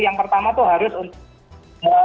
yang pertama itu harus untuk